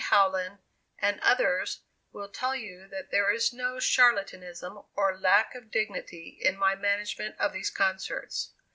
Howland, and others will tell you that there is no charlatanism or lack of dignity in my management of these concerts.